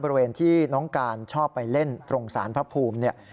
บริเวณที่น้องการชอบไปเล่นตรงสารพระภูมิเนี่ย